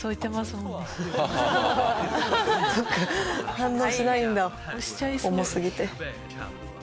反応しないんだ重すぎて。